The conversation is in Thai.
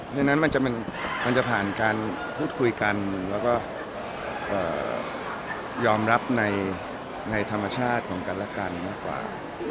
เพราะฉะนั้นมันจะผ่านการพูดคุยกันแล้วก็ยอมรับในธรรมชาติของกันและกันมากกว่า